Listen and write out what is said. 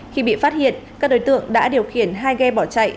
khi bị phát hiện các đối tượng đã điều khiển hai ghe bỏ chạy